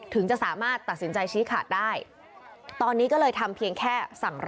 ถึงจะสามารถตัดสินใจชี้ขาดได้ตอนนี้ก็เลยทำเพียงแค่สั่งรอ